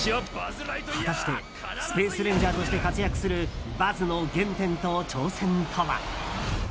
果たしてスペース・レンジャーとして活躍するバズの原点と挑戦とは。